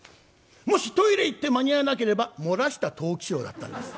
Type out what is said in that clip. もしトイレ行って間に合わなければ「もらした藤吉郎」だったんです。